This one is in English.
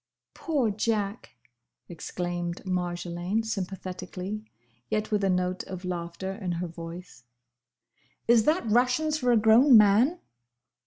"Poor Jack!" exclaimed Marjolaine sympathetically, yet with a note of laughter in her voice. "Is that rations for a grown man?"